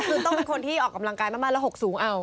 คือต้องเป็นคนที่ออกกำลังกายมากแล้วหกสูงเอา